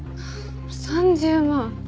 ３０万。